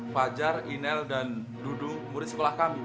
fajar inel dan dudung murid sekolah kami bapak